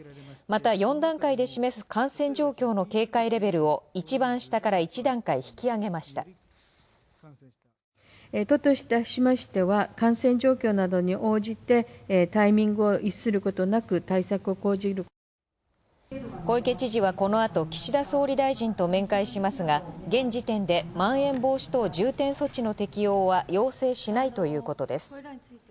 また４段階で示す感染状況の警戒レベルを一番下から一段階引き上げました小池知事はこの後岸田総理大臣と面会しますが、現時点でまん延防止重点措置の適用は要請しないということです